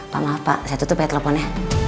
pak maaf pak saya tutup ya teleponnya